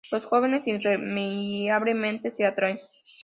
Los jóvenes, irremediablemente, se atraen.